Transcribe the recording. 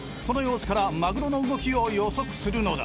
その様子からマグロの動きを予測するのだ。